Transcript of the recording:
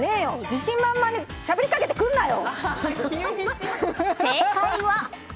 自信満々にしゃべりかけてくんなよ！